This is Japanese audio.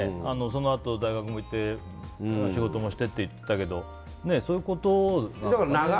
そのあと大学も行って仕事もしてって言ってたけどそういうことですよね。